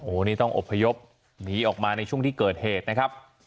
โอ้โหนี่ต้องอบพยพหนีออกมาในช่วงที่เกิดเหตุนะครับ